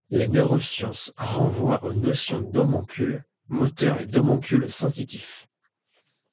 Les neurosciences renvoient aux notions d'homoncule moteur et d'homoncule sensitif.